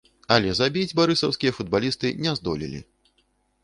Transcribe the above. Але забіць барысаўскія футбалісты не здолелі.